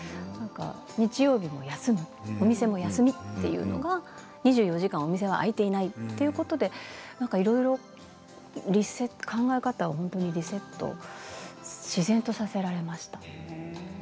日曜日も休んで、お店も休み２４時間お店が開いていないということで考え方をリセットを自然とさせられましたね。